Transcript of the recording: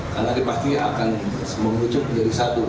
karena dipakai akan memucuk menjadi satu